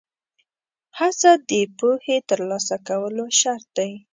هڅه د پوهې ترلاسه کولو شرط دی.